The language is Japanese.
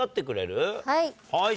はい。